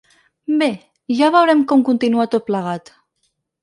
Bé, ja veurem com continua tot plegat.